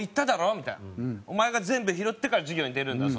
「お前が全部拾ってから授業に出るんだぞ」